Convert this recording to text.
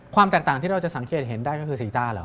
ความแตกต่างที่เราจะสังเกตเห็นได้ก็คือสีต้าเหรอ